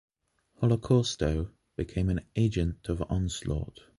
Holocausto became an agent of Onslaught.